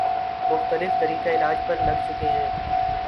مختلف طریقہ علاج پر لگ چکے ہیں